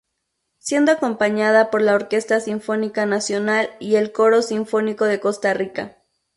Siendo acompañada por la Orquesta Sinfónica Nacional y el Coro Sinfónico de Costa Rica.